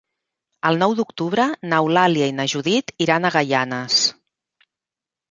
El nou d'octubre n'Eulàlia i na Judit iran a Gaianes.